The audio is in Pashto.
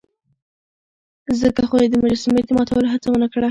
ځکه خو يې د مجسمې د ماتولو هڅه ونه کړه.